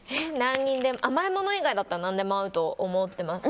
甘いもの以外だったら何にでも合うと思っています。